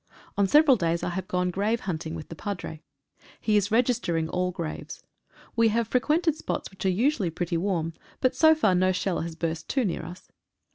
On several days I have gone grave hunting with the Padre. He is regis tering all graves. We have frequented spots which are usually pretty warm, but so far no shell has burst too near us.